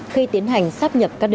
khi tiến hành sắp nhập các đơn vị